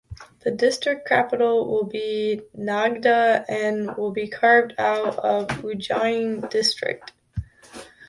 The district capital will be Nagda and will be carved out of Ujjain district.